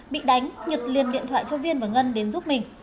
bị đánh nhật liền điện thoại cho viên và ngân đến giúp mình